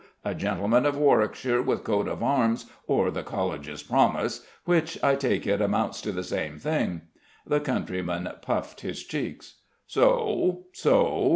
A gentleman of Warwickshire, with a coat of arms, or the College's promise which, I take it, amounts to the same thing." The countryman puffed his cheeks. "So so?"